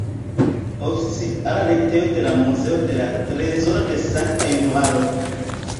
Oficiala retejo de la Muzeo de la trezoro de Sankta Januaro.